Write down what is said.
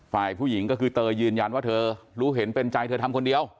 ฝ่ายผู้หญิงก็คือเตยยืนยันว่าเธอรู้เห็นเป็นใจเธอทำคนเดียว